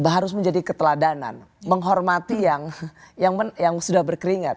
harus menjadi keteladanan menghormati yang sudah berkeringat